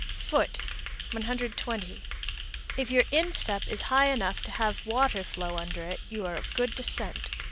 FOOT. 120. If your instep is high enough to have water flow under it, you are of good descent.